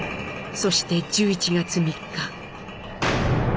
そして１１月３日。